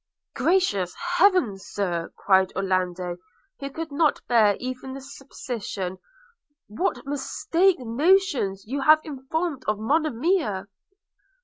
'Gracious Heaven, Sir!' cried Orlando, who could not bear even the supposition, 'what mistaken notions you have formed of Monimia!'